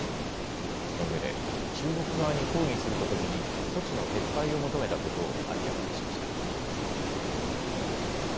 そのうえで中国側に抗議するとともに措置の撤廃を求めたことを明らかにしました。